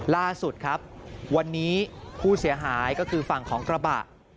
ล่าสุดครับวันนี้ผู้เสียหายก็คือฝั่งของกระบะ